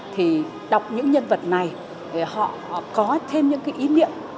thì đọc những nhân vật này họ có thêm những cái ý niệm